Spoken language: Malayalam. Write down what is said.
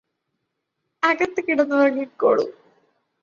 അകത്ത് കിടന്നുറങ്ങിക്കോളു